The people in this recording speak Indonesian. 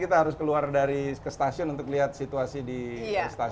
kita harus keluar dari ke stasiun untuk lihat situasi di stasiun